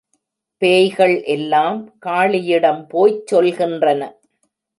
பேய்கள் எல்லாம் காளியிடம் போய்ச் சொல்கின்றன.